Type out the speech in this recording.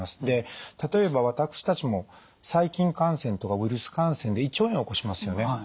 で例えば私たちも細菌感染とかウイルス感染で胃腸炎を起こしますよね。